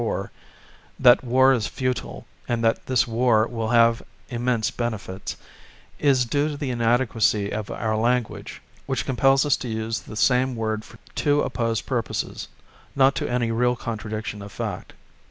4 (that war is futile, and that this war will have immense benefits) is due to the inadequacy of our language, which compels us to use the same word for two opposed purposes, not to any real contradiction of fact.